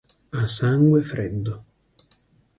A sangue freddo